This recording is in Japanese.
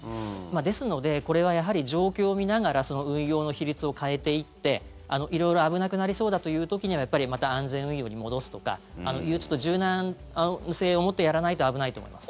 ですのでこれは、やはり状況を見ながらその運用の比率を変えていって色々危なくなりそうだという時にはまた安全運用に戻すとかっていう柔軟性を持ってやらないと危ないと思います。